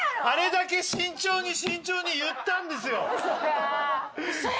あれだけ慎重に慎重に言ったんですよ！